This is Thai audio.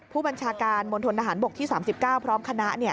ผู้บัญชาการมณฑนทหารบกที่๓๙พร้อมคณะ